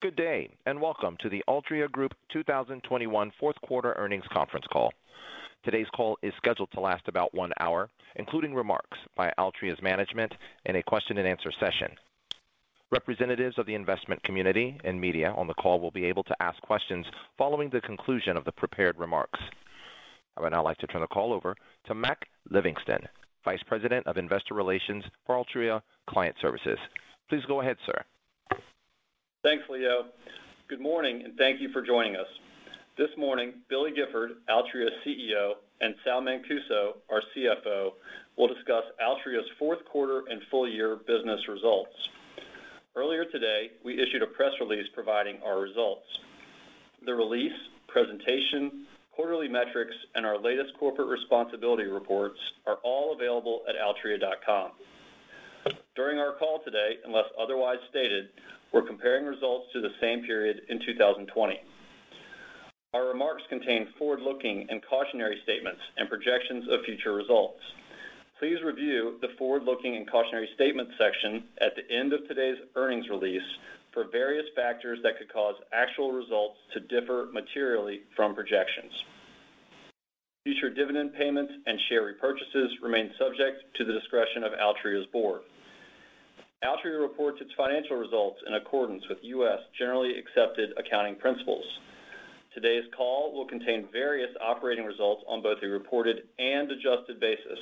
Good day, and welcome to the Altria Group 2021 fourth quarter earnings conference call. Today's call is scheduled to last about 1 hour, including remarks by Altria's management and a question-and-answer session. Representatives of the investment community and media on the call will be able to ask questions following the conclusion of the prepared remarks. I would now like to turn the call over to Mac Livingston, Vice President of Investor Relations for Altria Client Services. Please go ahead, sir. Thanks, Leo. Good morning, and thank you for joining us. This morning, Billy Gifford, Altria's CEO, and Sal Mancuso, our CFO, will discuss Altria's fourth quarter and full year business results. Earlier today, we issued a press release providing our results. The release, presentation, quarterly metrics, and our latest corporate responsibility reports are all available at altria.com. During our call today, unless otherwise stated, we're comparing results to the same period in 2020. Our remarks contain forward-looking and cautionary statements and projections of future results. Please review the Forward-Looking and Cautionary Statement section at the end of today's earnings release for various factors that could cause actual results to differ materially from projections. Future dividend payments and share repurchases remain subject to the discretion of Altria's board. Altria reports its financial results in accordance with U.S. generally accepted accounting principles. Today's call will contain various operating results on both a reported and adjusted basis.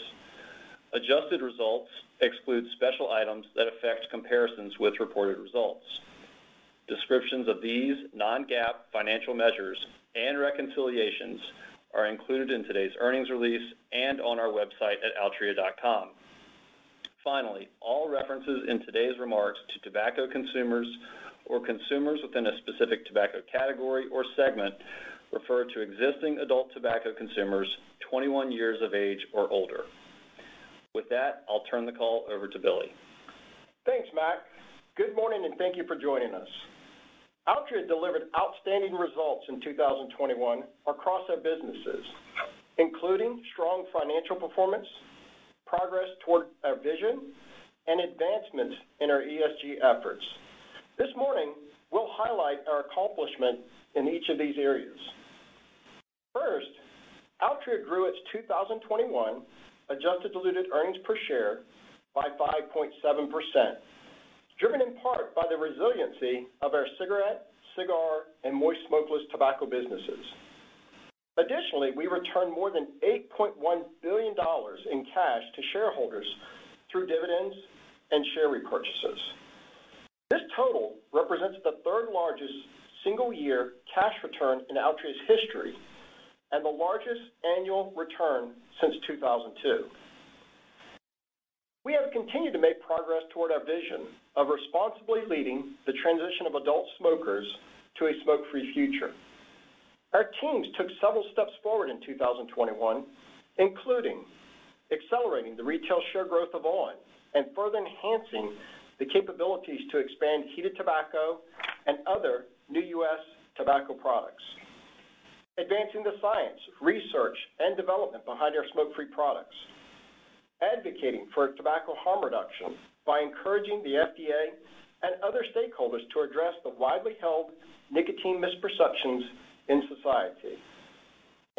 Adjusted results exclude special items that affect comparisons with reported results. Descriptions of these non-GAAP financial measures and reconciliations are included in today's earnings release and on our website at altria.com. Finally, all references in today's remarks to tobacco consumers or consumers within a specific tobacco category or segment refer to existing adult tobacco consumers 21 years of age or older. With that, I'll turn the call over to Billy. Thanks, Mac. Good morning, and thank you for joining us. Altria delivered outstanding results in 2021 across our businesses, including strong financial performance, progress toward our vision, and advancement in our ESG efforts. This morning, we'll highlight our accomplishment in each of these areas. First, Altria grew its 2021 adjusted diluted earnings per share by 5.7%, driven in part by the resiliency of our cigarette, cigar, and moist smokeless tobacco businesses. Additionally, we returned more than $8.1 billion in cash to shareholders through dividends and share repurchases. This total represents the third largest single year cash return in Altria's history and the largest annual return since 2002. We have continued to make progress toward our vision of responsibly leading the transition of adult smokers to a smoke-free future. Our teams took several steps forward in 2021, including accelerating the retail share growth of on! and further enhancing the capabilities to expand heated tobacco and other new U.S. tobacco products, advancing the science, research, and development behind our smoke-free products, advocating for tobacco harm reduction by encouraging the FDA and other stakeholders to address the widely held nicotine misperceptions in society.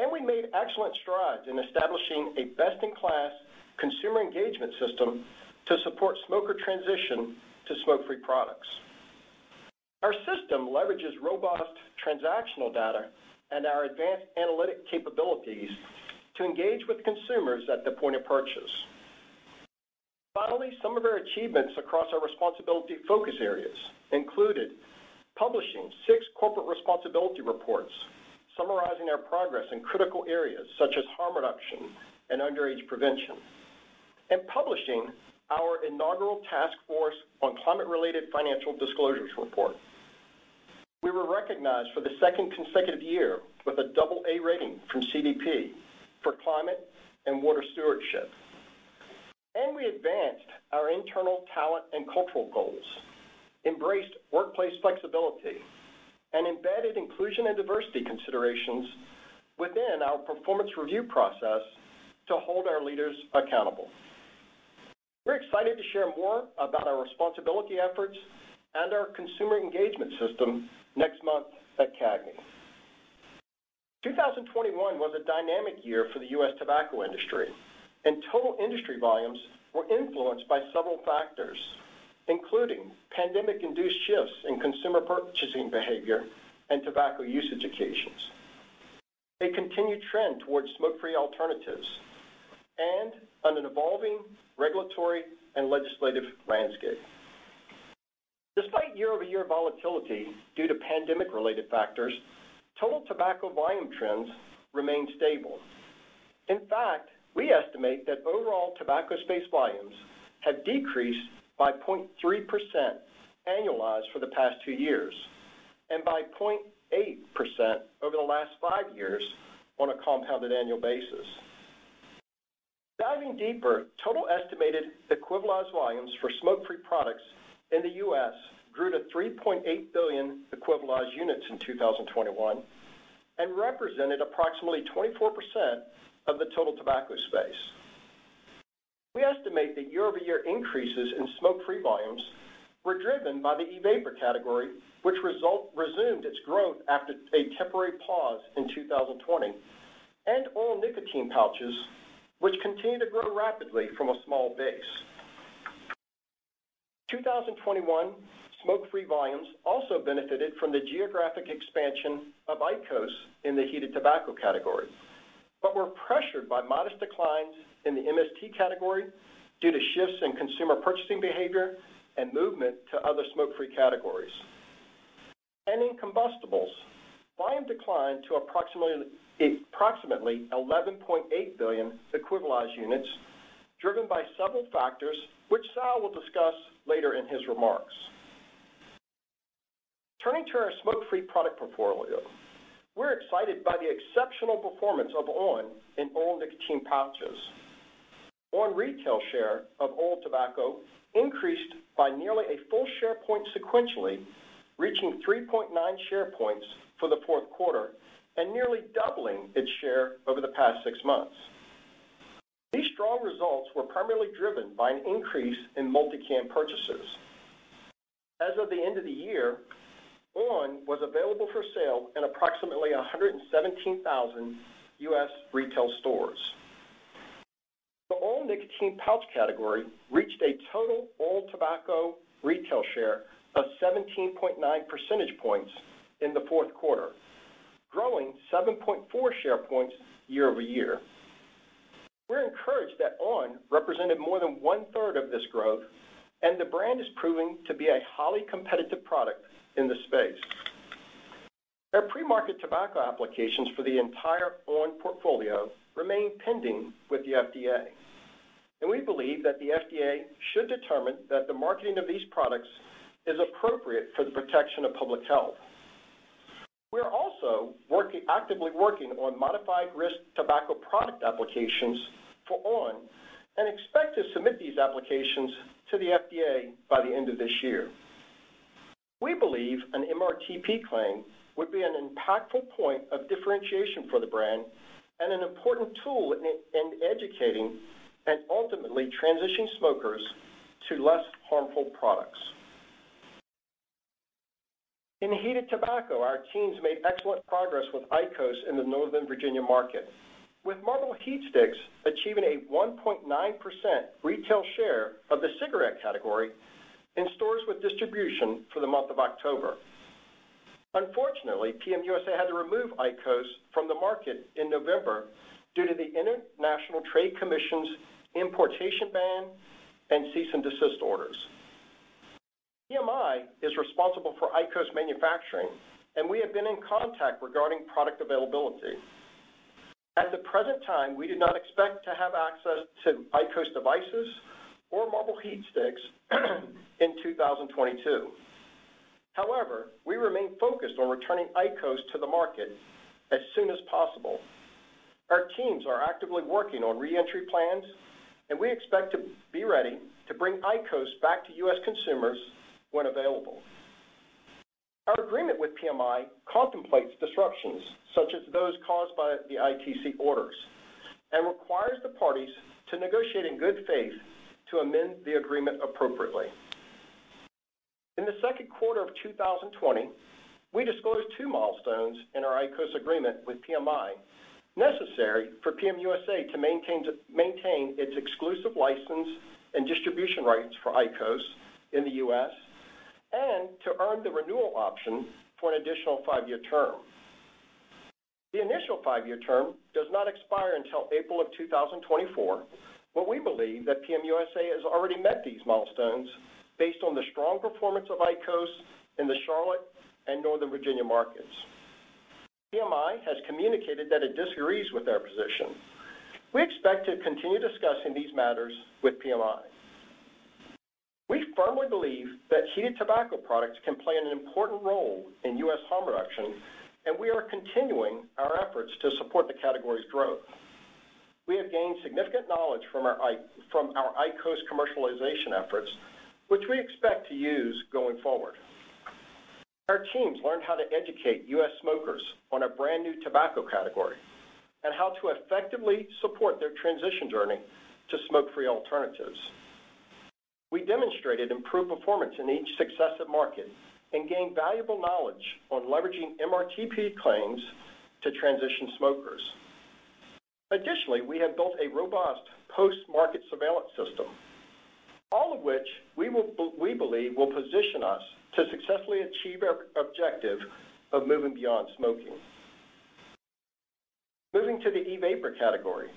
We made excellent strides in establishing a best-in-class consumer engagement system to support smoker transition to smoke-free products. Our system leverages robust transactional data and our advanced analytic capabilities to engage with consumers at the point of purchase. Finally, some of our achievements across our responsibility focus areas included publishing six corporate responsibility reports summarizing our progress in critical areas such as harm reduction and underage prevention, and publishing our inaugural Task Force on Climate-Related Financial Disclosures report. We were recognized for the second consecutive year with a double A rating from CDP for climate and water stewardship. We advanced our internal talent and cultural goals, embraced workplace flexibility, and embedded inclusion and diversity considerations within our performance review process to hold our leaders accountable. We're excited to share more about our responsibility efforts and our consumer engagement system next month at CAGNY. 2021 was a dynamic year for the U.S. tobacco industry, and total industry volumes were influenced by several factors, including pandemic-induced shifts in consumer purchasing behavior and tobacco usage occasions, a continued trend towards smoke-free alternatives, and an evolving regulatory and legislative landscape. Despite year-over-year volatility due to pandemic-related factors, total tobacco volume trends remained stable. In fact, we estimate that overall tobacco space volumes have decreased by 0.3% annualized for the past 2 years and by 0.8% over the last 5 years on a compounded annual basis. Diving deeper, total estimated equivalized volumes for smoke-free products in the U.S. grew to 3.8 billion equivalized units in 2021 and represented approximately 24% of the total tobacco space. We estimate that year-over-year increases in smoke-free volumes were driven by the e-vapor category, which resumed its growth after a temporary pause in 2020, and oral nicotine pouches, which continue to grow rapidly from a small base. 2021 smoke-free volumes also benefited from the geographic expansion of IQOS in the heated tobacco category, but were pressured by modest declines in the MST category due to shifts in consumer purchasing behavior and movement to other smoke-free categories. In combustibles, volume declined to approximately 11.8 billion equivalent units, driven by several factors which Sal will discuss later in his remarks. Turning to our smoke-free product portfolio, we're excited by the exceptional performance of on! in oral nicotine pouches. on! retail share of oral tobacco increased by nearly a full share point sequentially, reaching 3.9 share points for the fourth quarter and nearly doubling its share over the past 6 months. These strong results were primarily driven by an increase in multi-can purchasers. As of the end of the year, on! was available for sale in approximately 117,000 U.S. retail stores. The oral nicotine pouch category reached a total oral tobacco retail share of 17.9 percentage points in the fourth quarter, growing 7.4 share points year-over-year. We're encouraged that on! represented more than 1/3 of this growth, and the brand is proving to be a highly competitive product in the space. Our pre-market tobacco applications for the entire on! portfolio remain pending with the FDA, and we believe that the FDA should determine that the marketing of these products is appropriate for the protection of public health. We are also actively working on modified risk tobacco product applications for on! and expect to submit these applications to the FDA by the end of this year. We believe an MRTP claim would be an impactful point of differentiation for the brand and an important tool in educating and ultimately transitioning smokers to less harmful products. In heated tobacco, our teams made excellent progress with IQOS in the Northern Virginia market, with Marlboro HeatSticks achieving a 1.9% retail share of the cigarette category in stores with distribution for the month of October. Unfortunately, PM USA had to remove IQOS from the market in November due to the International Trade Commission's importation ban and cease and desist orders. PMI is responsible for IQOS manufacturing, and we have been in contact regarding product availability. At the present time, we do not expect to have access to IQOS devices or Marlboro HeatSticks in 2022. However, we remain focused on returning IQOS to the market as soon as possible. Our teams are actively working on reentry plans, and we expect to be ready to bring IQOS back to U.S. consumers when available. Our agreement with PMI contemplates disruptions, such as those caused by the ITC orders, and requires the parties to negotiate in good faith to amend the agreement appropriately. In the second quarter of 2020, we disclosed two milestones in our IQOS agreement with PMI necessary for PM USA to maintain its exclusive license and distribution rights for IQOS in the U.S. and to earn the renewal option for an additional 5-year term. The initial 5-year term does not expire until April 2024, but we believe that PM USA has already met these milestones based on the strong performance of IQOS in the Charlotte and Northern Virginia markets. PMI has communicated that it disagrees with our position. We expect to continue discussing these matters with PMI. We firmly believe that heated tobacco products can play an important role in U.S. harm reduction, and we are continuing our efforts to support the category's growth. We have gained significant knowledge from our IQOS commercialization efforts, which we expect to use going forward. Our teams learned how to educate U.S. smokers on a brand-new tobacco category and how to effectively support their transition journey to smoke-free alternatives. We demonstrated improved performance in each successive market and gained valuable knowledge on leveraging MRTP claims to transition smokers. Additionally, we have built a robust post-market surveillance system, all of which we believe will position us to successfully achieve our objective of moving beyond smoking. Moving to the e-vapor category.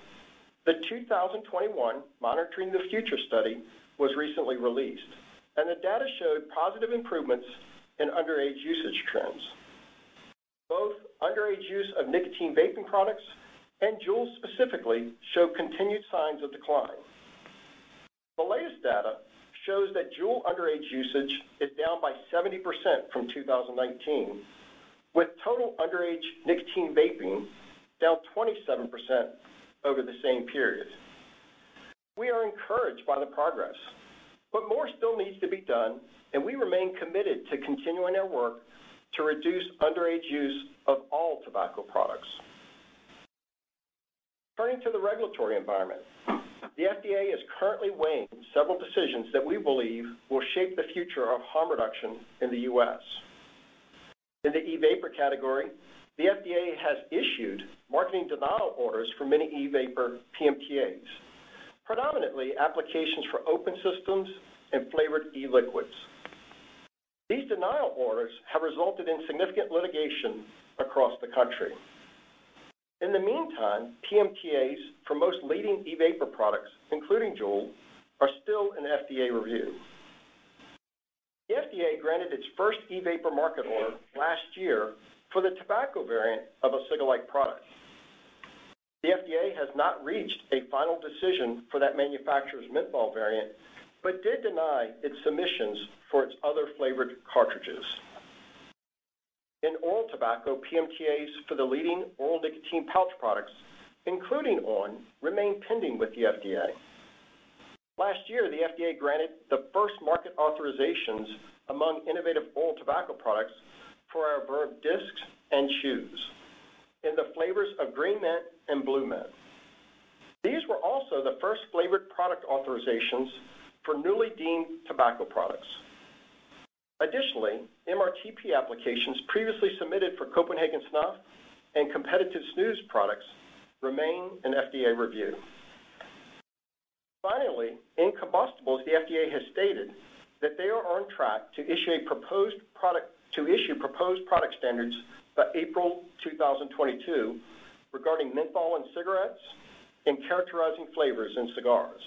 The 2021 Monitoring the Future study was recently released, and the data showed positive improvements in underage usage trends. Both underage use of nicotine vaping products and JUUL specifically show continued signs of decline. The latest data shows that JUUL underage usage is down by 70% from 2019, with total underage nicotine vaping down 27% over the same period. We are encouraged by the progress. More still needs to be done, and we remain committed to continuing our work to reduce underage use of oral tobacco products. Turning to the regulatory environment, the FDA is currently weighing several decisions that we believe will shape the future of harm reduction in the U.S. In the e-vapor category, the FDA has issued marketing denial orders for many e-vapor PMTAs, predominantly applications for open systems and flavored e-liquids. These denial orders have resulted in significant litigation across the country. In the meantime, PMTAs for most leading e-vapor products, including JUUL, are still in FDA review. The FDA granted its first e-vapor market order last year for the tobacco variant of a cig-alike product. The FDA has not reached a final decision for that manufacturer's menthol variant, but did deny its submissions for its other flavored cartridges. In oral tobacco, PMTAs for the leading oral nicotine pouch products, including on!, remain pending with the FDA. Last year, the FDA granted the first market authorizations among innovative oral tobacco products for our Verve discs and chews in the flavors of green mint and blue mint. These were also the first flavored product authorizations for newly deemed tobacco products. Additionally, MRTP applications previously submitted for Copenhagen Snuff and competitive snus products remain in FDA review. Finally, in combustibles, the FDA has stated that they are on track to issue proposed product standards by April 2022 regarding menthol in cigarettes and characterizing flavors in cigars.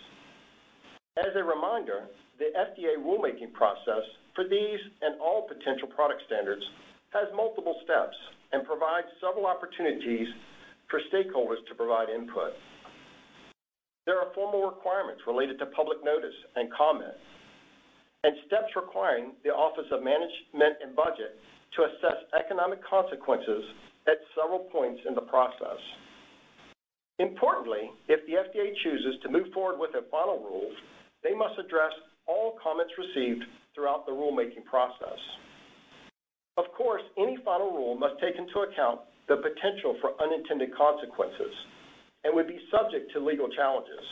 As a reminder, the FDA rulemaking process for these and all potential product standards has multiple steps and provides several opportunities for stakeholders to provide input. There are formal requirements related to public notice and comment, and steps requiring the Office of Management and Budget to assess economic consequences at several points in the process. Importantly, if the FDA chooses to move forward with the final rules, they must address all comments received throughout the rulemaking process. Of course, any final rule must take into account the potential for unintended consequences and would be subject to legal challenges.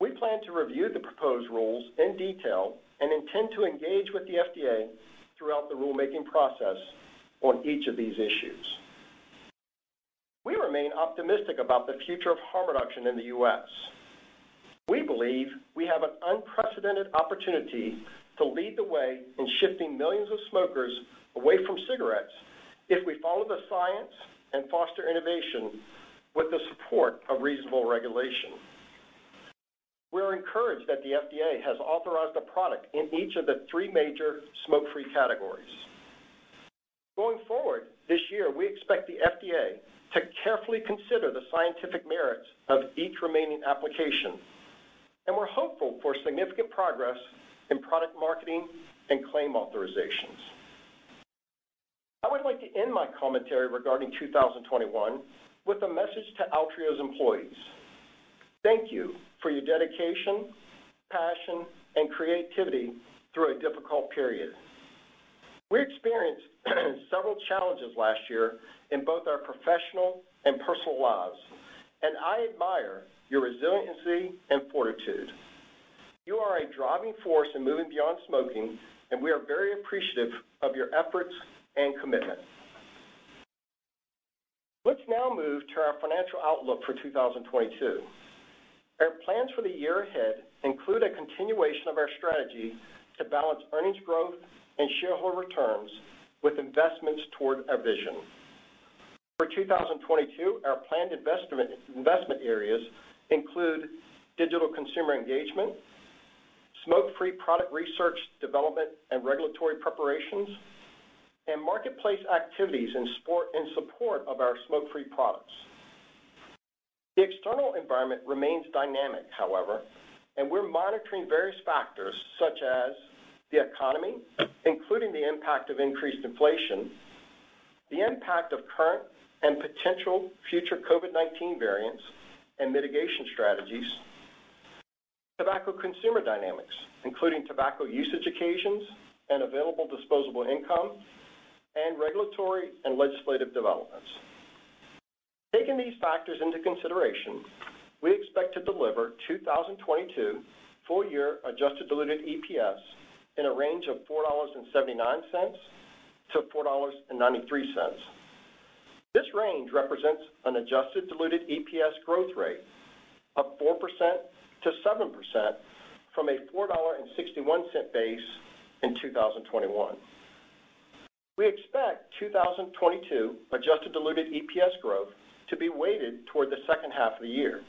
We plan to review the proposed rules in detail and intend to engage with the FDA throughout the rulemaking process on each of these issues. We remain optimistic about the future of harm reduction in the U.S. We believe we have an unprecedented opportunity to lead the way in shifting millions of smokers away from cigarettes if we follow the science and foster innovation with the support of reasonable regulation. We're encouraged that the FDA has authorized a product in each of the three major smoke-free categories. Going forward, this year, we expect the FDA to carefully consider the scientific merits of each remaining application, and we're hopeful for significant progress in product marketing and claim authorizations. I would like to end my commentary regarding 2021 with a message to Altria's employees. Thank you for your dedication, passion, and creativity through a difficult period. We experienced several challenges last year in both our professional and personal lives, and I admire your resiliency and fortitude. You are a driving force in moving beyond smoking, and we are very appreciative of your efforts and commitment. Let's now move to our financial outlook for 2022. Our plans for the year ahead include a continuation of our strategy to balance earnings growth and shareholder returns with investments toward our vision. For 2022, our planned investment areas include digital consumer engagement, smoke-free product research, development, and regulatory preparations, and marketplace activities in support of our smoke-free products. The external environment remains dynamic, however, and we're monitoring various factors such as the economy, including the impact of increased inflation, the impact of current and potential future COVID-19 variants and mitigation strategies, tobacco consumer dynamics, including tobacco usage occasions and available disposable income, and regulatory and legislative developments. Taking these factors into consideration, we expect to deliver 2022 full year adjusted diluted EPS in a range of $4.79-$4.93. This range represents an adjusted diluted EPS growth rate of 4%-7% from a $4.61 base in 2021. We expect 2022 adjusted diluted EPS growth to be weighted toward the second half of the year.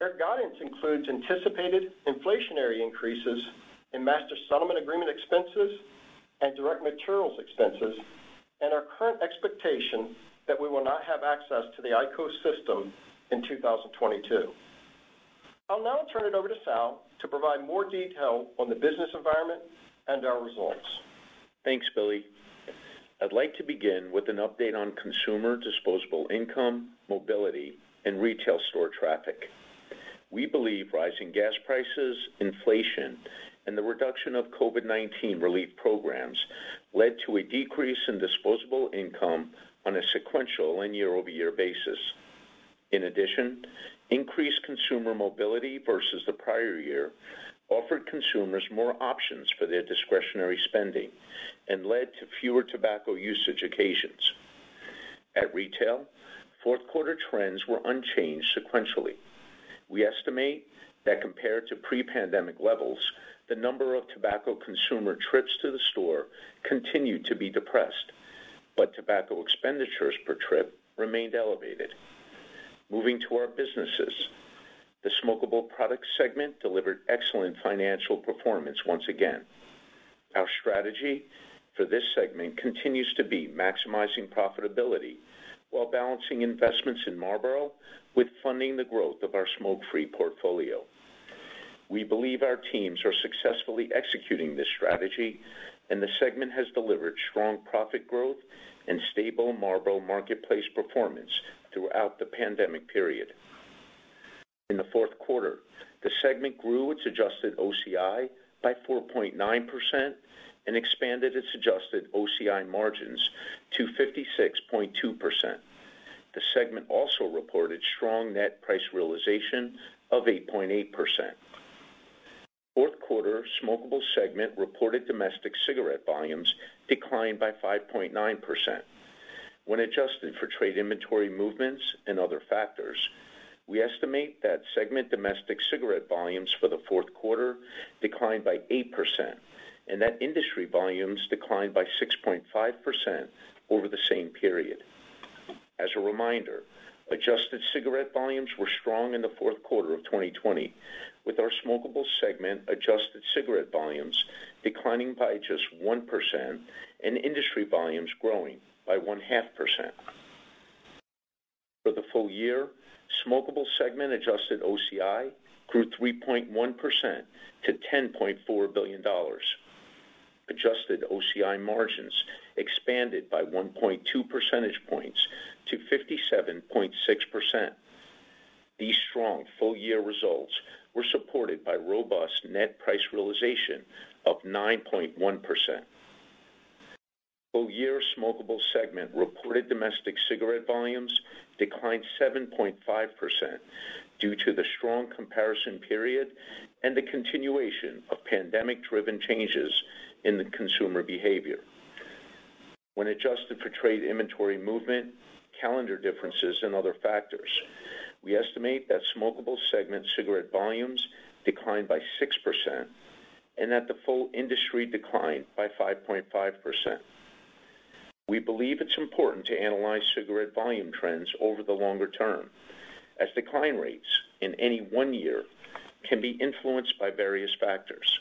Our guidance includes anticipated inflationary increases in Master Settlement Agreement expenses and direct materials expenses and our current expectation that we will not have access to the IQOS system in 2022. I'll now turn it over to Sal to provide more detail on the business environment and our results. Thanks, Billy. I'd like to begin with an update on consumer disposable income, mobility, and retail store traffic. We believe rising gas prices, inflation, and the reduction of COVID-19 relief programs led to a decrease in disposable income on a sequential and year-over-year basis. In addition, increased consumer mobility versus the prior year offered consumers more options for their discretionary spending and led to fewer tobacco usage occasions. At retail, fourth quarter trends were unchanged sequentially. We estimate that compared to pre-pandemic levels, the number of tobacco consumer trips to the store continued to be depressed, but tobacco expenditures per trip remained elevated. Moving to our businesses, the smokable product segment delivered excellent financial performance once again. Our strategy for this segment continues to be maximizing profitability while balancing investments in Marlboro with funding the growth of our smoke-free portfolio. We believe our teams are successfully executing this strategy, and the segment has delivered strong profit growth and stable Marlboro marketplace performance throughout the pandemic period. In the fourth quarter, the segment grew its adjusted OCI by 4.9% and expanded its adjusted OCI margins to 56.2%. The segment also reported strong net price realization of 8.8%. The fourth quarter, the smokable segment reported domestic cigarette volumes declined by 5.9%. When adjusted for trade inventory movements and other factors, we estimate that the segment's domestic cigarette volumes for the fourth quarter declined by 8% and that industry volumes declined by 6.5% over the same period. As a reminder, adjusted cigarette volumes were strong in the fourth quarter of 2020, with our smokable segment adjusted cigarette volumes declining by just 1% and industry volumes growing by 0.5%. For the full year, smokable segment adjusted OCI grew 3.1% to $10.4 billion. Adjusted OCI margins expanded by 1.2 percentage points to 57.6%. These strong full-year results were supported by robust net price realization of 9.1%. Full year smokable segment reported domestic cigarette volumes declined 7.5% due to the strong comparison period and the continuation of pandemic-driven changes in the consumer behavior. When adjusted for trade inventory movement, calendar differences, and other factors, we estimate that smokable segment cigarette volumes declined by 6% and that the full industry declined by 5.5%. We believe it's important to analyze cigarette volume trends over the longer term, as decline rates in any 1 year can be influenced by various factors.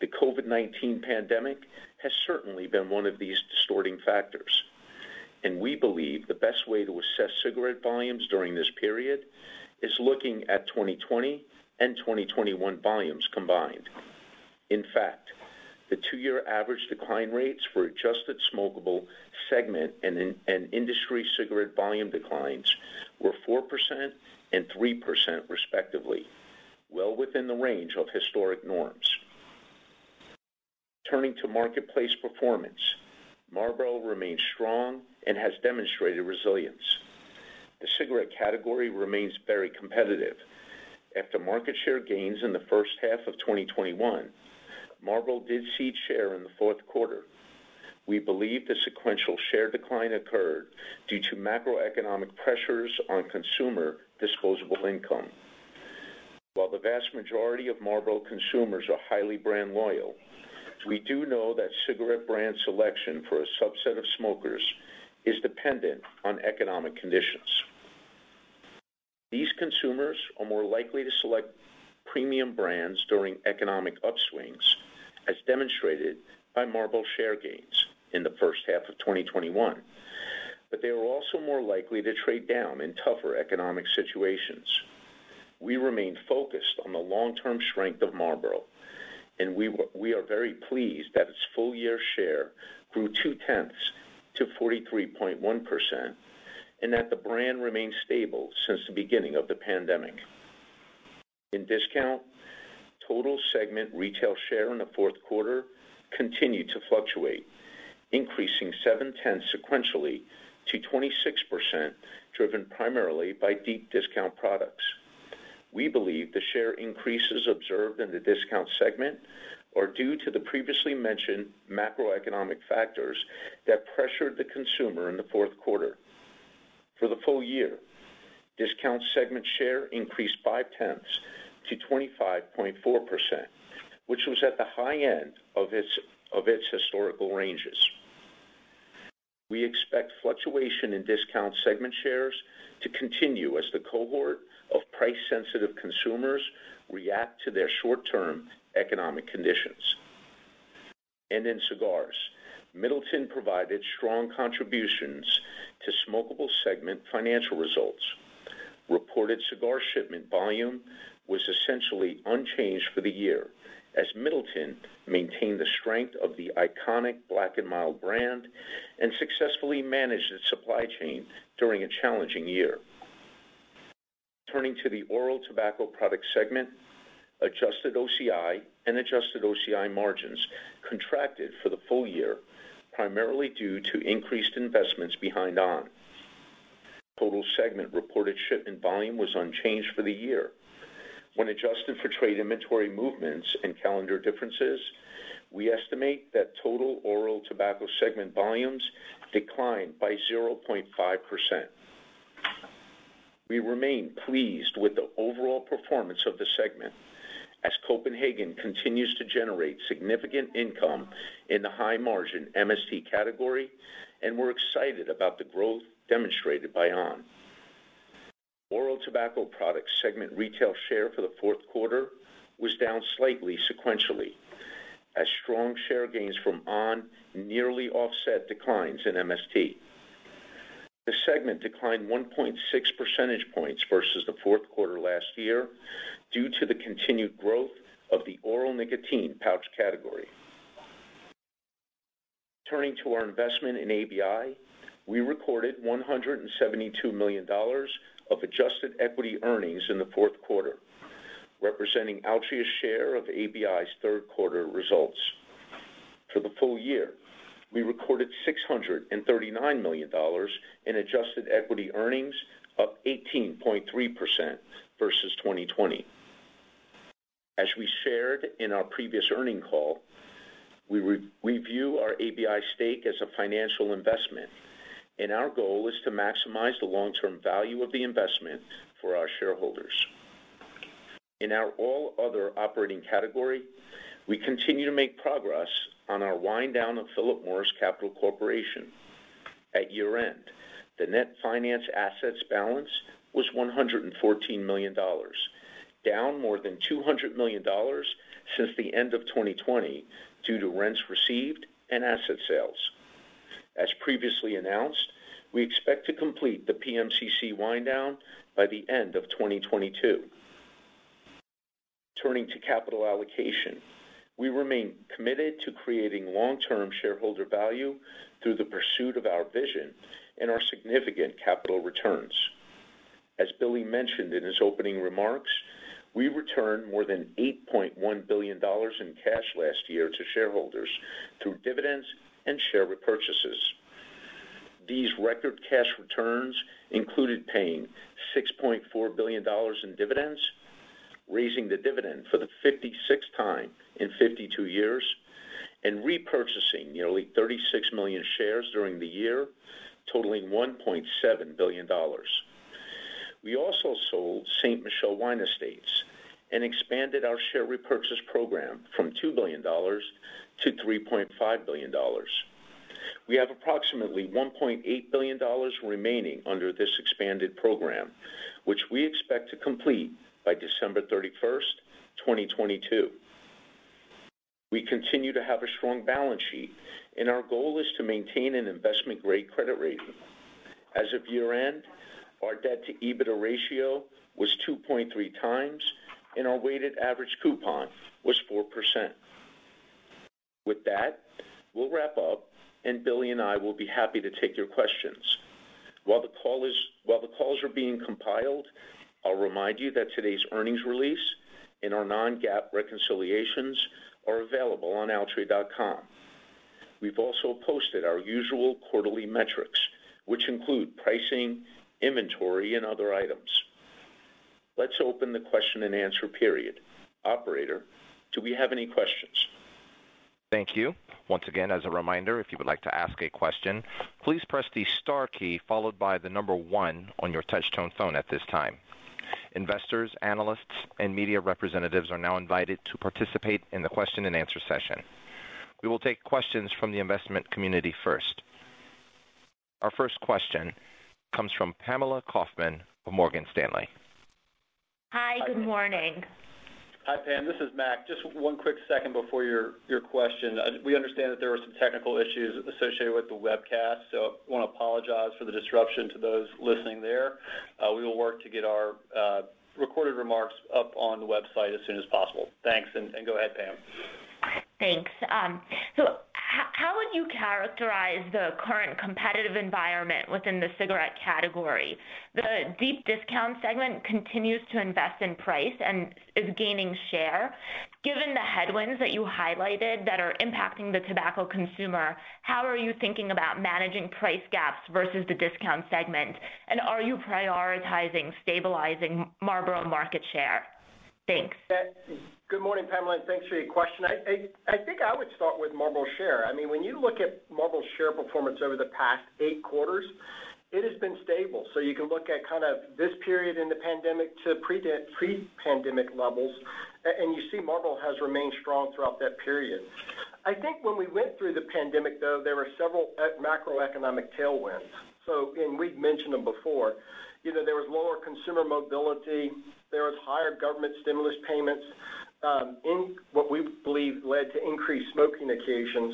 The COVID-19 pandemic has certainly been one of these distorting factors, and we believe the best way to assess cigarette volumes during this period is looking at 2020 and 2021 volumes combined. In fact, the 2-year average decline rates for adjusted smokable segment and industry cigarette volume declines were 4% and 3% respectively, well within the range of historic norms. Turning to marketplace performance, Marlboro remains strong and has demonstrated resilience. The cigarette category remains very competitive. After market share gains in the first half of 2021, Marlboro did cede share in the fourth quarter. We believe the sequential share decline occurred due to macroeconomic pressures on consumer disposable income. While the vast majority of Marlboro consumers are highly brand loyal, we do know that cigarette brand selection for a subset of smokers is dependent on economic conditions. These consumers are more likely to select premium brands during economic upswings, as demonstrated by Marlboro share gains in the first half of 2021. They were also more likely to trade down in tougher economic situations. We remain focused on the long-term strength of Marlboro, and we are very pleased that its full-year share grew 0.2 to 43.1% and that the brand remains stable since the beginning of the pandemic. In discount, total segment retail share in the fourth quarter continued to fluctuate, increasing 0.7 sequentially to 26%, driven primarily by deep discount products. We believe the share increases observed in the discount segment are due to the previously mentioned macroeconomic factors that pressured the consumer in the fourth quarter. For the full year, discount segment share increased 0.5 to 25.4%, which was at the high end of its historical ranges. We expect fluctuation in discount segment shares to continue as the cohort of price-sensitive consumers react to their short-term economic conditions. In cigars, Middleton provided strong contributions to smokable segment financial results. Reported cigar shipment volume was essentially unchanged for the year as Middleton maintained the strength of the iconic Black & Mild brand and successfully managed its supply chain during a challenging year. Turning to the oral tobacco product segment, adjusted OCI and adjusted OCI margins contracted for the full year, primarily due to increased investments behind on!. Total segment reported shipment volume was unchanged for the year. When adjusted for trade inventory movements and calendar differences, we estimate that total oral tobacco segment volumes declined by 0.5%. We remain pleased with the overall performance of the segment as Copenhagen continues to generate significant income in the high margin MST category, and we're excited about the growth demonstrated by on. Oral tobacco products segment retail share for the fourth quarter was down slightly sequentially, as strong share gains from on nearly offset declines in MST. The segment declined 1.6 percentage points versus the fourth quarter last year due to the continued growth of the oral nicotine pouch category. Turning to our investment in ABI, we recorded $172 million of adjusted equity earnings in the fourth quarter, representing Altria's share of ABI's third quarter results. For the full year, we recorded $639 million in adjusted equity earnings, up 18.3% versus 2020. As we shared in our previous earnings call, we review our ABI stake as a financial investment, and our goal is to maximize the long-term value of the investment for our shareholders. In our all other operating category, we continue to make progress on our wind down of Philip Morris Capital Corporation. At year-end, the net finance assets balance was $114 million, down more than $200 million since the end of 2020 due to rents received and asset sales. As previously announced, we expect to complete the PMCC wind down by the end of 2022. Turning to capital allocation, we remain committed to creating long-term shareholder value through the pursuit of our vision and our significant capital returns. As Billy mentioned in his opening remarks, we returned more than $8.1 billion in cash last year to shareholders through dividends and share repurchases. These record cash returns included paying $6.4 billion in dividends, raising the dividend for the 56th time in 52 years, and repurchasing nearly 36 million shares during the year, totaling $1.7 billion. We also sold Ste. Michelle Wine Estates and expanded our share repurchase program from $2 billion to $3.5 billion. We have approximately $1.8 billion remaining under this expanded program, which we expect to complete by December 31st, 2022. We continue to have a strong balance sheet, and our goal is to maintain an investment-grade credit rating. As of year-end, our debt-to-EBITDA ratio was 2.3x, and our weighted-average coupon was 4%. With that, we'll wrap up, and Billy and I will be happy to take your questions. While the calls are being compiled, I'll remind you that today's earnings release and our non-GAAP reconciliations are available on altria.com. We've also posted our usual quarterly metrics, which include pricing, inventory, and other items. Let's open the question-and-answer period. Operator, do we have any questions? Thank you. Once again, as a reminder, if you would like to ask a question, please press the star key followed by the number one on your touch-tone phone at this time. Investors, analysts, and media representatives are now invited to participate in the question-and-answer session. We will take questions from the investment community first. Our first question comes from Pamela Kaufman of Morgan Stanley. Hi. Good morning. Hi, Pam. This is Mac. Just one quick second before your question. We understand that there were some technical issues associated with the webcast, so I wanna apologize for the disruption to those listening there. We will work to get our recorded remarks up on the website as soon as possible. Thanks, and go ahead, Pam. Thanks. So how would you characterize the current competitive environment within the cigarette category? The deep discount segment continues to invest in price and is gaining share. Given the headwinds that you highlighted that are impacting the tobacco consumer, how are you thinking about managing price gaps versus the discount segment? Are you prioritizing stabilizing Marlboro market share? Thanks. Good morning, Pamela, and thanks for your question. I think I would start with Marlboro share. I mean, when you look at Marlboro share performance over the past eight quarters, it has been stable. You can look at kind of this period in the pandemic to pre-pandemic levels, and you see Marlboro has remained strong throughout that period. I think when we went through the pandemic, though, there were several macroeconomic tailwinds. We've mentioned them before, you know, there was lower consumer mobility, there was higher government stimulus payments, in what we believe led to increased smoking occasions.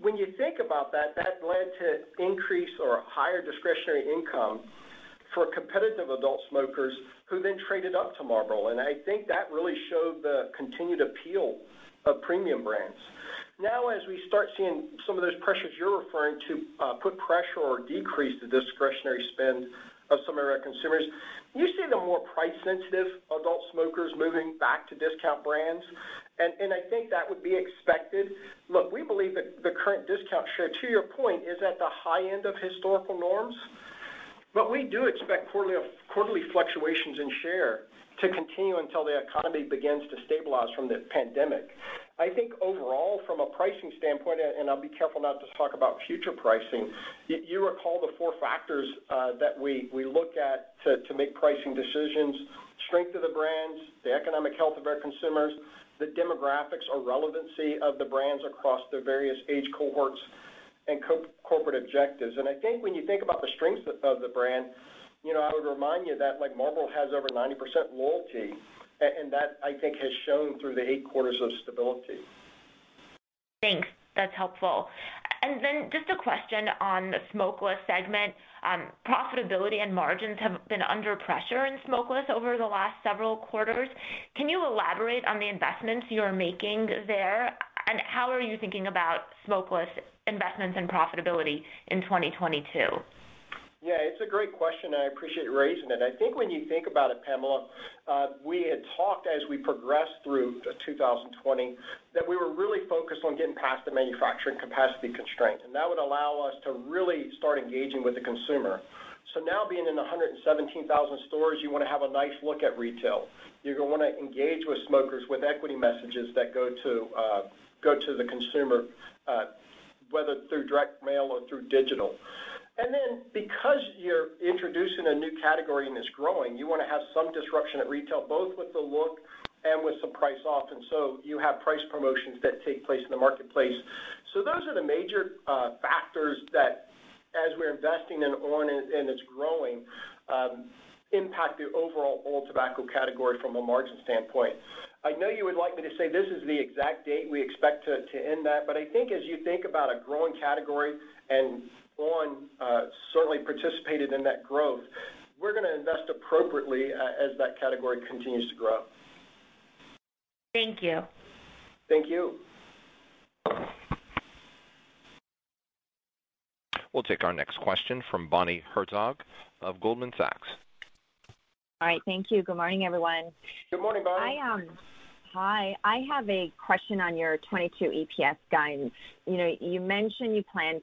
When you think about that led to increase or higher discretionary income for competitive adult smokers who then traded up to Marlboro. I think that really showed the continued appeal of premium brands. Now, as we start seeing some of those pressures you're referring to put pressure or decrease the discretionary spend of some of our consumers, you see the more price-sensitive adult smokers moving back to discount brands. I think that would be expected. Look, we believe that the current discount share, to your point, is at the high end of historical norms. We do expect quarterly fluctuations in share to continue until the economy begins to stabilize from the pandemic. I think overall, from a pricing standpoint, I'll be careful not to talk about future pricing. You recall the four factors that we look at to make pricing decisions, strength of the brands, the economic health of our consumers, the demographics or relevancy of the brands across the various age cohorts, and corporate objectives. I think when you think about the strength of the brand, you know, I would remind you that like Marlboro has over 90% loyalty, and that, I think, has shown through the eight quarters of stability. Thanks. That's helpful. Just a question on the smokeless segment. Profitability and margins have been under pressure in smokeless over the last several quarters. Can you elaborate on the investments you are making there? How are you thinking about smokeless investments and profitability in 2022? Yeah, it's a great question, and I appreciate you raising it. I think when you think about it, Pamela, we had talked as we progressed through 2020 that we were really focused on getting past the manufacturing capacity constraints, and that would allow us to really start engaging with the consumer. Now being in 117,000 stores, you wanna have a nice look at retail. You're gonna wanna engage with smokers with equity messages that go to the consumer, whether through direct mail or through digital. Because you're introducing a new category and it's growing, you wanna have some disruption at retail, both with the look and with some price off. You have price promotions that take place in the marketplace. Those are the major factors that, as we're investing in on! and it's growing, impact the overall oral tobacco category from a margin standpoint. I know you would like me to say this is the exact date we expect to end that. I think as you think about a growing category and on! certainly participated in that growth, we're gonna invest appropriately as that category continues to grow. Thank you. Thank you. We'll take our next question from Bonnie Herzog of Goldman Sachs. All right. Thank you. Good morning, everyone. Good morning, Bonnie. Hi. I have a question on your 2022 EPS guidance. You know, you mentioned you plan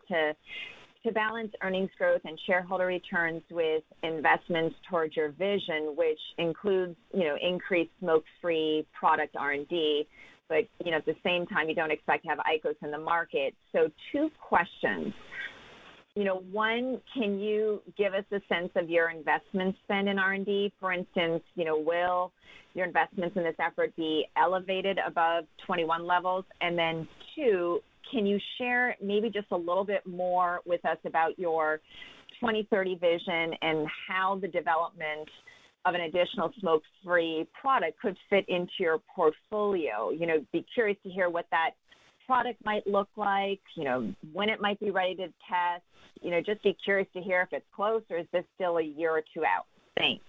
to balance earnings growth and shareholder returns with investments towards your vision, which includes, you know, increased smoke-free product R&D. But, you know, at the same time, you don't expect to have IQOS in the market. So two questions. You know, one, can you give us a sense of your investment spend in R&D? For instance, you know, will your investments in this effort be elevated above 2021 levels? And then two, can you share maybe just a little bit more with us about your 2030 vision and how the development of an additional smoke-free product could fit into your portfolio? You know, be curious to hear what that product might look like. You know, when it might be ready to test. You know, just be curious to hear if it's close or is this still a year or two out? Thanks.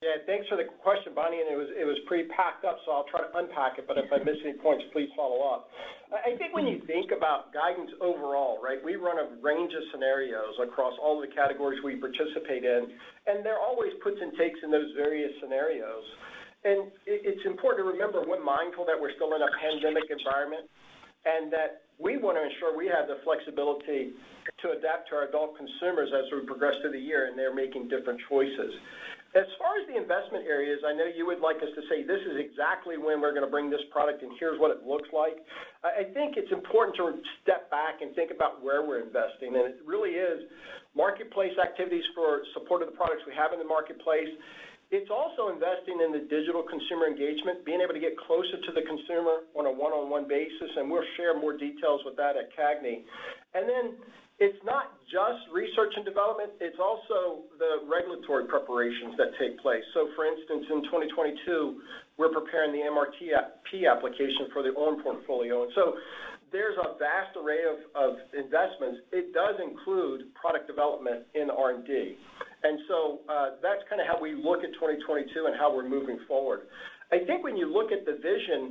Yeah. Thanks for the question, Bonnie, and it was pretty packed up, so I'll try to unpack it, but if I miss any points, please follow up. I think when you think about guidance overall, right, we run a range of scenarios across all the categories we participate in, and there are always puts and takes in those various scenarios. It's important to remember we're mindful that we're still in a pandemic environment, and that we wanna ensure we have the flexibility to adapt to our adult consumers as we progress through the year, and they're making different choices. As far as the investment areas, I know you would like us to say, this is exactly when we're gonna bring this product, and here's what it looks like. I think it's important to step back and think about where we're investing, and it really is marketplace activities for support of the products we have in the marketplace. It's also investing in the digital consumer engagement, being able to get closer to the consumer on a one-on-one basis, and we'll share more details with that at CAGNY. Then it's not just research and development, it's also the regulatory preparations that take place. For instance, in 2022, we're preparing the MRTP application for the on! portfolio. There's a vast array of investments. It does include product development in R&D. That's kinda how we look at 2022 and how we're moving forward. I think when you look at the vision,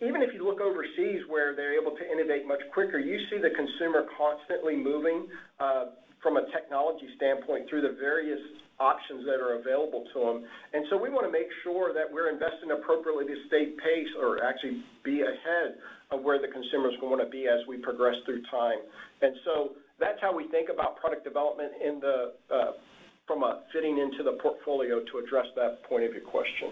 even if you look overseas where they're able to innovate much quicker, you see the consumer constantly moving, from a technology standpoint through the various options that are available to them. We wanna make sure that we're investing appropriately to stay pace or actually be ahead of where the consumer's gonna be as we progress through time. That's how we think about product development from a fitting into the portfolio to address that point of your question.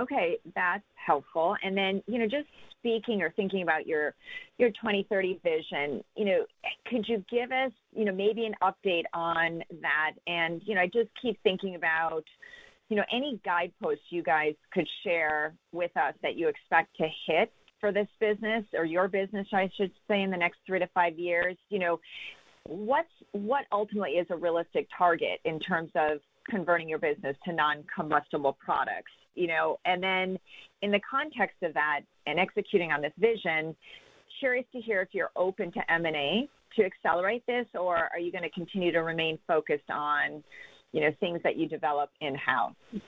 Okay, that's helpful. You know, just speaking or thinking about your 2030 vision, you know, could you give us, you know, maybe an update on that? You know, I just keep thinking about, you know, any guideposts you guys could share with us that you expect to hit for this business or your business, I should say, in the next 3-5 years. You know, what ultimately is a realistic target in terms of converting your business to non-combustible products, you know? In the context of that and executing on this vision, curious to hear if you're open to M&A to accelerate this, or are you gonna continue to remain focused on, you know, things that you develop in-house? Yeah.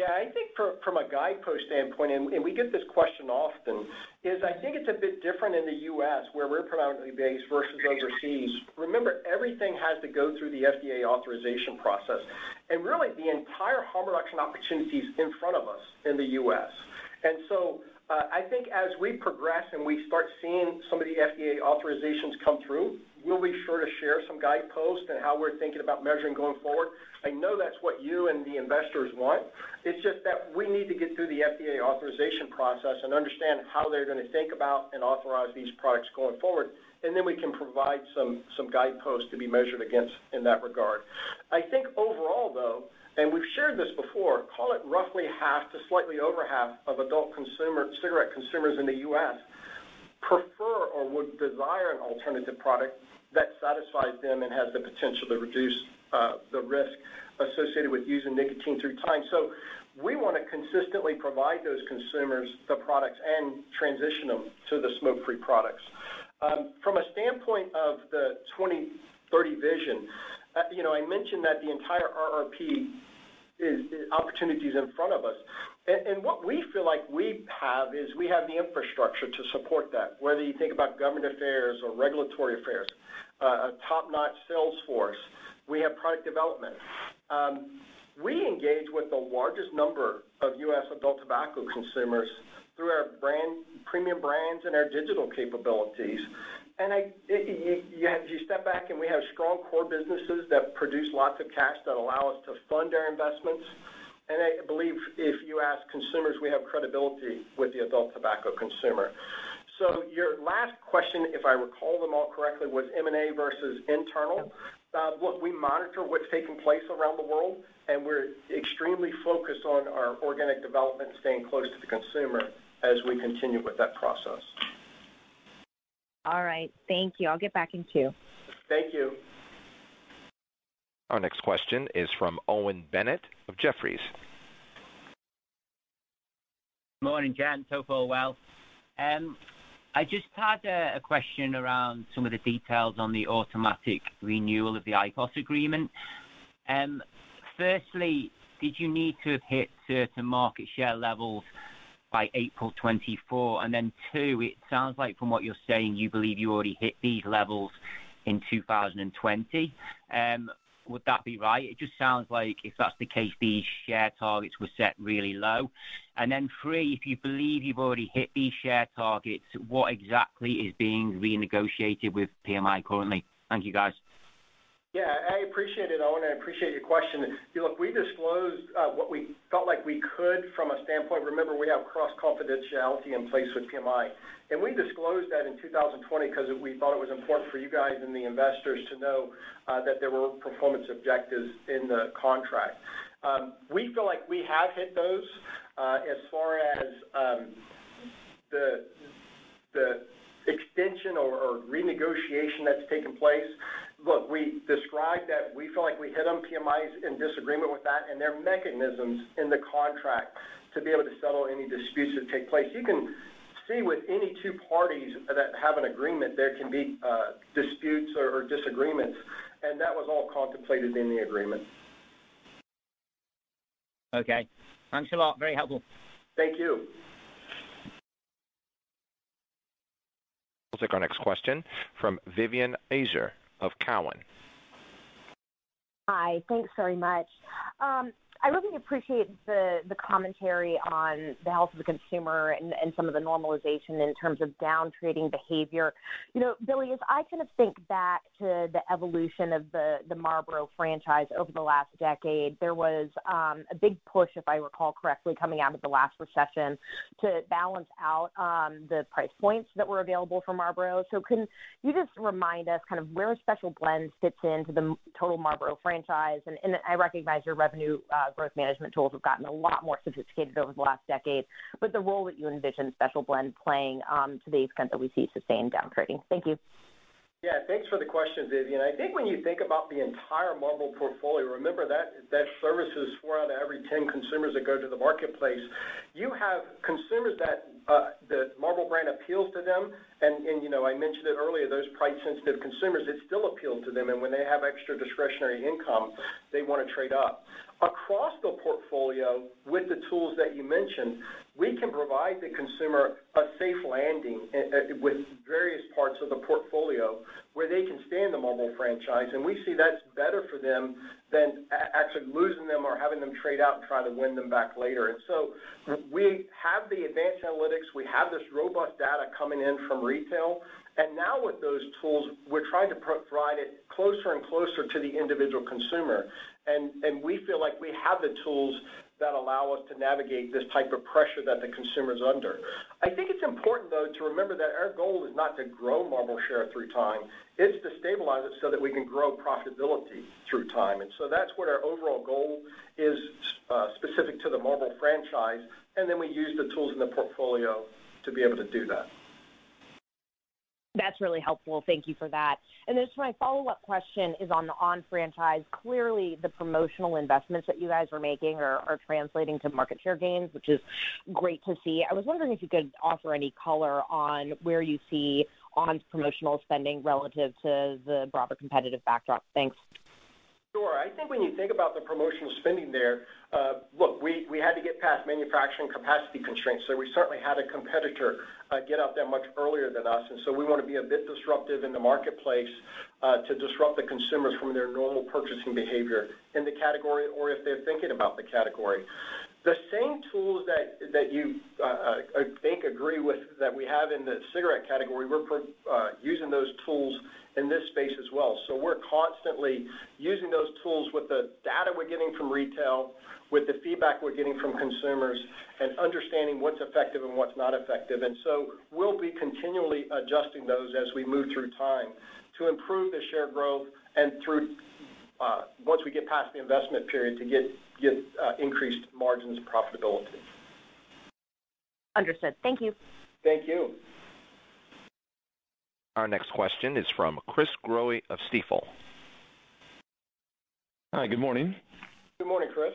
I think from a guidepost standpoint, and we get this question often, is I think it's a bit different in the U.S. where we're predominantly based versus overseas. Remember, everything has to go through the FDA authorization process and really the entire harm reduction opportunity is in front of us in the U.S. I think as we progress and we start seeing some of the FDA authorizations come through, we'll be sure to share some guideposts and how we're thinking about measuring going forward. I know that's what you and the investors want. It's just that we need to get through the FDA authorization process and understand how they're gonna think about and authorize these products going forward. We can provide some guideposts to be measured against in that regard. I think overall though, and we've shared this before, call it roughly half to slightly over half of adult consumer cigarette consumers in the U.S. prefer or would desire an alternative product that satisfies them and has the potential to reduce the risk associated with using nicotine through time. We wanna consistently provide those consumers the products and transition them to the smoke-free products. From a standpoint of the 2030 vision, you know, I mentioned that the entire RRP is opportunities in front of us. What we feel like we have is we have the infrastructure to support that, whether you think about government affairs or regulatory affairs, a top-notch sales force. We have product development. We engage with the largest number of U.S. adult tobacco consumers through our brand, premium brands and our digital capabilities. You step back and we have strong core businesses that produce lots of cash that allow us to fund our investments. I believe if you ask consumers, we have credibility with the adult tobacco consumer. Your last question, if I recall them all correctly, was M&A versus internal. Look, we monitor what's taking place around the world, and we're extremely focused on our organic development, staying close to the consumer as we continue with that process. All right. Thank you. I'll get back in queue. Thank you. Our next question is from Owen Bennett of Jefferies. Morning, gentlemen. Hope all well. I just had a question around some of the details on the automatic renewal of the IQOS agreement. Firstly, did you need to have hit certain market share levels by April 2024? Two, it sounds like from what you're saying, you believe you already hit these levels in 2020. Would that be right? It just sounds like if that's the case, these share targets were set really low. Three, if you believe you've already hit these share targets, what exactly is being renegotiated with PMI currently? Thank you, guys. Yeah. I appreciate it, Owen. I appreciate your question. Look, we disclosed what we felt like we could from a standpoint. Remember, we have cross confidentiality in place with PMI, and we disclosed that in 2020 because we thought it was important for you guys and the investors to know that there were performance objectives in the contract. We feel like we have hit those. As far as the extension or renegotiation that's taken place, look, we described that we feel like we hit them. PMI is in disagreement with that and there are mechanisms in the contract to be able to settle any disputes that take place. You can see with any two parties that have an agreement, there can be disputes or disagreements, and that was all contemplated in the agreement. Okay. Thanks a lot. Very helpful. Thank you. We'll take our next question from Vivien Azer of Cowen. Hi. Thanks very much. I really appreciate the commentary on the health of the consumer and some of the normalization in terms of down-trading behavior. You know, Billy, as I kind of think back to the evolution of the Marlboro franchise over the last decade, there was a big push, if I recall correctly, coming out of the last recession to balance out the price points that were available for Marlboro. So can you just remind us kind of where Special Blend fits into the total Marlboro franchise? And I recognize your revenue growth management tools have gotten a lot more sophisticated over the last decade, but the role that you envision Special Blend playing, to the extent that we see sustained down-trading. Thank you. Yeah. Thanks for the question, Vivien. I think when you think about the entire Marlboro portfolio, remember that services four out of every ten consumers that go to the marketplace. You have consumers that the Marlboro brand appeals to them. You know, I mentioned it earlier, those price sensitive consumers, it still appeals to them. When they have extra discretionary income, they wanna trade up. Across the portfolio with the tools that you mentioned, we can provide the consumer a safe landing with various parts of the portfolio where they can stay in the Marlboro franchise, and we see that's better for them than actually losing them or having them trade out and try to win them back later. We have the advanced analytics, we have this robust data coming in from retail. Now with those tools, we're trying to provide it closer and closer to the individual consumer. We feel like we have the tools that allow us to navigate this type of pressure that the consumer's under. I think it's important though, to remember that our goal is not to grow Marlboro share through time, it's to stabilize it so that we can grow profitability through time. That's what our overall goal is, specific to the Marlboro franchise, and then we use the tools in the portfolio to be able to do that. That's really helpful. Thank you for that. My follow-up question is on the on! franchise. Clearly, the promotional investments that you guys are making are translating to market share gains, which is great to see. I was wondering if you could offer any color on where you see on!'s promotional spending relative to the broader competitive backdrop. Thanks. Sure. I think when you think about the promotional spending there, look, we had to get past manufacturing capacity constraints, so we certainly had a competitor get out there much earlier than us. We wanna be a bit disruptive in the marketplace to disrupt the consumers from their normal purchasing behavior in the category, or if they're thinking about the category. The same tools that you, I think, agree with that we have in the cigarette category, we're using those tools in this space as well. We're constantly using those tools with the data we're getting from retail, with the feedback we're getting from consumers, and understanding what's effective and what's not effective. We'll be continually adjusting those as we move through time to improve the share growth and through once we get past the investment period, to get increased margins and profitability. Understood. Thank you. Thank you. Our next question is from Chris Growe of Stifel. Hi. Good morning. Good morning, Chris.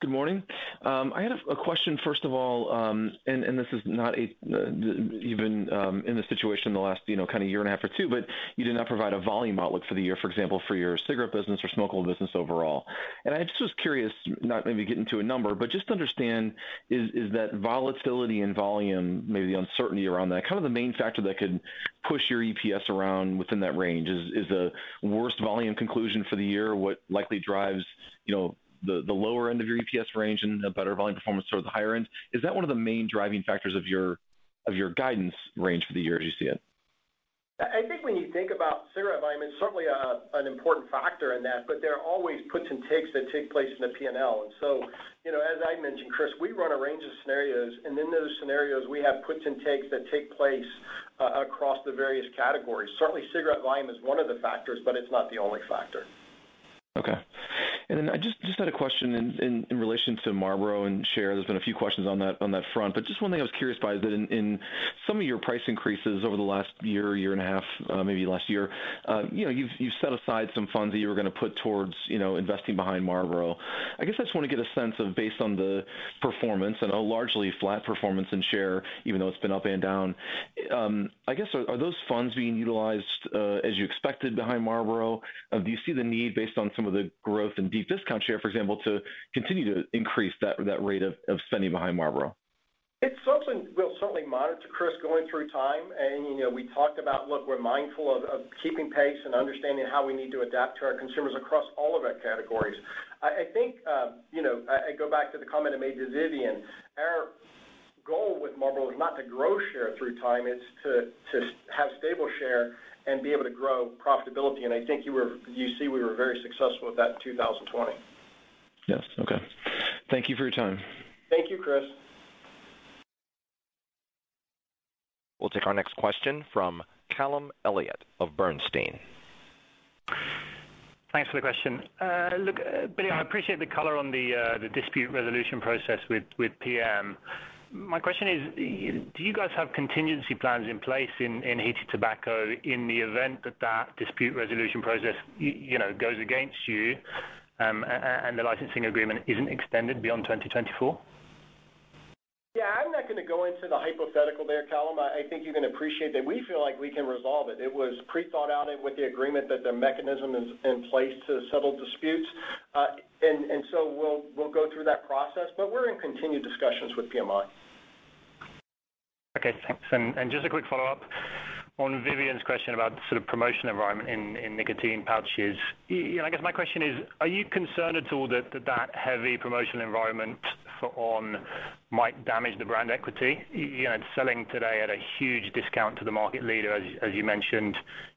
Good morning. I had a question, first of all, and this is not a situation you've been in this situation in the last, you know, kind of year and a half or two, but you did not provide a volume outlook for the year, for example, for your cigarette business or smokeable business overall. I just was curious, not maybe get into a number, but just to understand, is that volatility in volume, maybe the uncertainty around that, kind of the main factor that could push your EPS around within that range? Is the worst volume conclusion for the year what likely drives, you know, the lower end of your EPS range and a better volume performance toward the higher end? Is that one of the main driving factors of your guidance range for the year as you see it? I think when you think about cigarette volume, it's certainly an important factor in that, but there are always puts and takes that take place in the P&L. You know, as I mentioned, Chris, we run a range of scenarios, and in those scenarios, we have puts and takes that take place across the various categories. Certainly, cigarette volume is one of the factors, but it's not the only factor. Okay. Then I just had a question in relation to Marlboro and share. There's been a few questions on that front, but just one thing I was curious about is that in some of your price increases over the last year and a half, maybe last year, you know, you've set aside some funds that you were gonna put towards, you know, investing behind Marlboro. I guess I just wanna get a sense of, based on the performance and a largely flat performance in share, even though it's been up and down, I guess are those funds being utilized as you expected behind Marlboro? Do you see the need based on some of the growth in deep discount share, for example, to continue to increase that rate of spending behind Marlboro? It's something we'll certainly monitor, Chris, over time. You know, we talked about, look, we're mindful of keeping pace and understanding how we need to adapt to our consumers across all of our categories. I think, you know, I go back to the comment I made to Vivien. Our goal with Marlboro is not to grow share over time. It's to have stable share and be able to grow profitability. I think you see we were very successful with that in 2020. Yes. Okay. Thank you for your time. Thank you, Chris. We'll take our next question from Callum Elliott of Bernstein. Thanks for the question. Look, Billy, I appreciate the color on the dispute resolution process with PM. My question is, do you guys have contingency plans in place in heated tobacco in the event that that dispute resolution process, you know, goes against you, and the licensing agreement isn't extended beyond 2024? Yeah. I'm not gonna go into the hypothetical there, Callum. I think you can appreciate that we feel like we can resolve it. It was pre-thought out and with the agreement that the mechanism is in place to settle disputes. We'll go through that process, but we're in continued discussions with PMI. Okay, thanks. Just a quick follow-up on Vivien's question about the sort of promotion environment in nicotine pouches. You know, I guess my question is, are you concerned at all that that heavy promotional environment for on! might damage the brand equity? You know, it's selling today at a huge discount to the market leader, as you mentioned.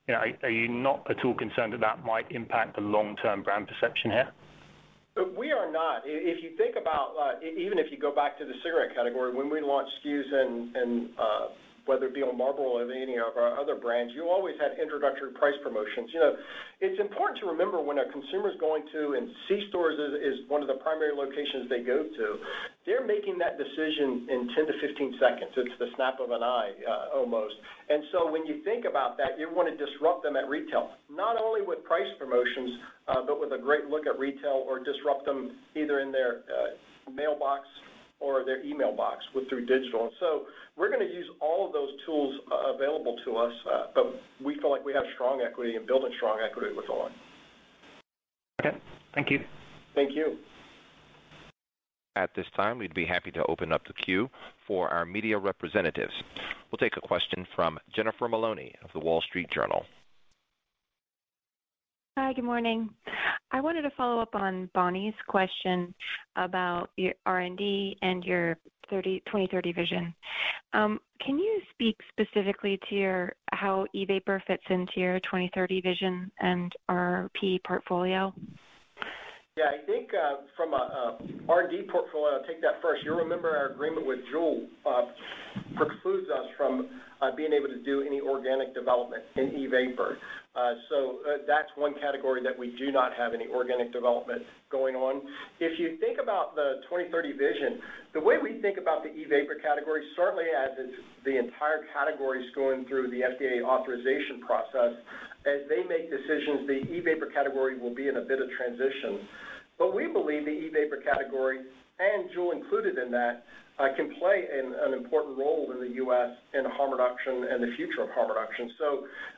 You know, are you not at all concerned that that might impact the long-term brand perception here? We are not. If you think about even if you go back to the cigarette category, when we launched SKUs and whether it be on Marlboro or any of our other brands, you always had introductory price promotions. You know, it's important to remember when a consumer's going to, and c-stores is one of the primary locations they go to, they're making that decision in 10-15 seconds. It's the snap of an eye almost. When you think about that, you wanna disrupt them at retail, not only with price promotions, but with a great look at retail or disrupt them either in their mailbox or their email box through digital. We're gonna use all of those tools available to us, but we feel like we have strong equity and building strong equity with on!. Okay. Thank you. Thank you. At this time, we'd be happy to open up the queue for our media representatives. We'll take a question from Jennifer Maloney of The Wall Street Journal. Hi, good morning. I wanted to follow up on Bonnie's question about your R&D and your 2030 vision. Can you speak specifically to how e-vapor fits into your 2030 vision and RRP portfolio? Yeah. I think, from a R&D portfolio, I'll take that first. You'll remember our agreement with JUUL precludes us from being able to do any organic development in e-vapor. That's one category that we do not have any organic development going on. If you think about the 2030 vision, the way we think about the e-vapor category, certainly as it's the entire category's going through the FDA authorization process. As they make decisions, the e-vapor category will be in a bit of transition. We believe the e-vapor category, and JUUL included in that, can play an important role in the U.S. in harm reduction and the future of harm reduction.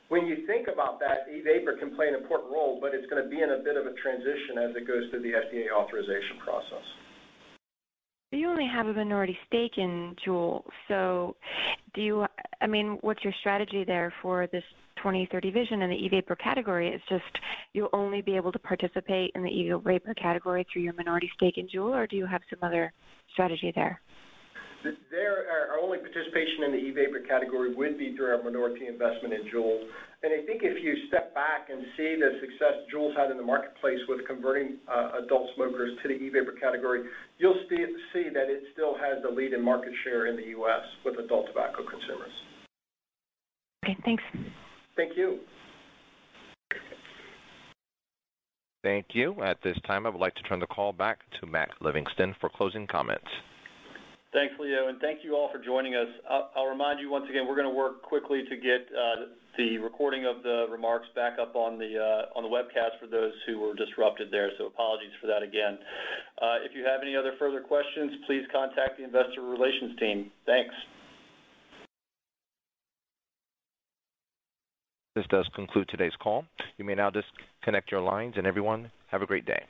When you think about that, e-vapor can play an important role, but it's gonna be in a bit of a transition as it goes through the FDA authorization process. You only have a minority stake in JUUL, so do you... I mean, what's your strategy there for this 2030 vision in the e-vapor category? It's just, you'll only be able to participate in the e-vapor category through your minority stake in JUUL, or do you have some other strategy there? Our only participation in the e-vapor category would be through our minority investment in JUUL. I think if you step back and see the success JUUL's had in the marketplace with converting adult smokers to the e-vapor category, you'll see that it still has the lead in market share in the U.S. with adult tobacco consumers. Okay, thanks. Thank you. Thank you. At this time, I would like to turn the call back to Mac Livingston for closing comments. Thanks, Leo, and thank you all for joining us. I'll remind you once again, we're gonna work quickly to get the recording of the remarks back up on the webcast for those who were disrupted there, so apologies for that again. If you have any other further questions, please contact the investor relations team. Thanks. This does conclude today's call. You may now disconnect your lines, and everyone, have a great day.